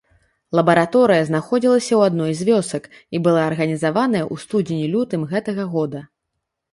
Лабараторыя знаходзілася ў адной з вёсак і была арганізаваная ў студзені-лютым гэтага года.